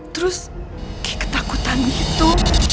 terus kayak ketakutan gitu